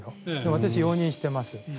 私、容認しています。